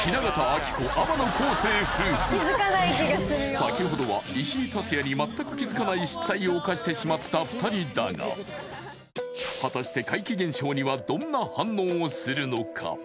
先ほどは石井竜也に全く気づかない失態を犯してしまった２人だが果たして怪奇現象にはどんな反応をするのか？